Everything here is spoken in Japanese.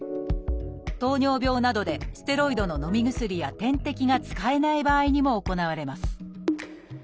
糖尿病などでステロイドののみ薬や点滴が使えない場合にも行われます